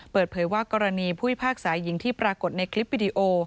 เปิดเผยว่ากรณีผู้พิพากษาหญิงที่ปรากฏในคลิปวิดีโอ